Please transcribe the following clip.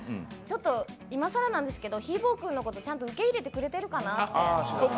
今更なんですけどひーぼぉくんのこと、ちゃんと受け入れてくれてるかなって。